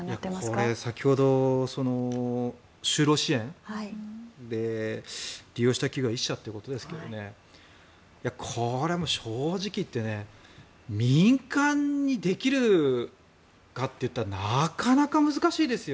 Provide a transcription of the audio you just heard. これは先ほど就労支援で利用した企業は１社ということですがこれはもう正直言って民間にできるかっていったらなかなか難しいですよ。